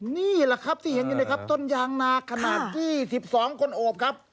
นี่แหละครับที่เห็นอยู่ต้นยางนาขนาดที่๑๒คนโอบครับ